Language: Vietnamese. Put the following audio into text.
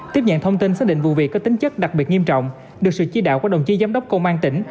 tiếp nhận thông tin xác định vụ việc có tính chất đặc biệt nghiêm trọng được sự chi đạo của đồng chí giám đốc công an tỉnh